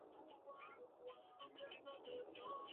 Forma parte de una familia de músicos.